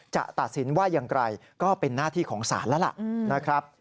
จะตัดสินว่ายังไกลก็เป็นหน้าที่ของสารแล้วล่ะ